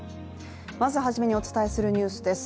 まず初めにお伝えするニュースです。